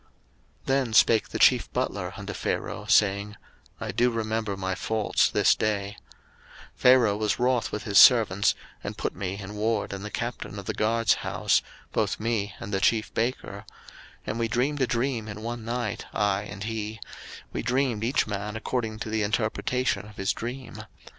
01:041:009 Then spake the chief butler unto Pharaoh, saying, I do remember my faults this day: 01:041:010 Pharaoh was wroth with his servants, and put me in ward in the captain of the guard's house, both me and the chief baker: 01:041:011 And we dreamed a dream in one night, I and he; we dreamed each man according to the interpretation of his dream.